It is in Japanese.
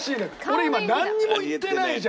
俺今なんにも言ってないじゃん！